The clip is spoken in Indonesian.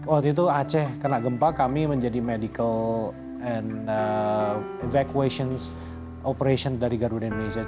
waktu itu aceh kena gempa kami menjadi medical and evacuations operation dari garuda indonesia